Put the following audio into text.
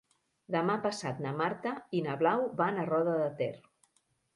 Demà passat na Marta i na Blau van a Roda de Ter.